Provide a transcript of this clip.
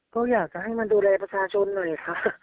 ก็อยากจะให้มันดูแลประชาชนหน่อยค่ะ